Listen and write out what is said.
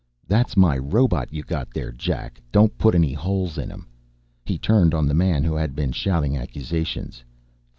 "That's my robot you got there, Jack, don't put any holes in him!" He turned on the man who had been shouting accusations.